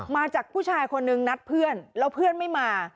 มาจากผู้ชายคนนึงนัดเพื่อนแล้วเพื่อนไม่มา